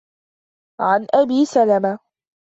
عَنْ أَبِي سَلَمَةَ